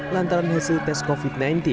lantaran hasil tes covid sembilan belas